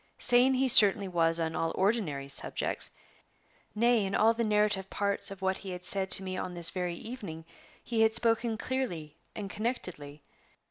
Sane he certainly was on all ordinary subjects; nay, in all the narrative parts of what he had said to me on this very evening he had spoken clearly and connectedly.